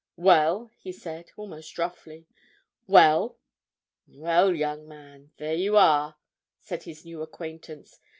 "Well?" he said, almost roughly. "Well?" "Well, young man, there you are," said his new acquaintance.